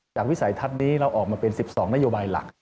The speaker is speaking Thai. วิสัยทัศน์นี้เราออกมาเป็น๑๒นโยบายหลัก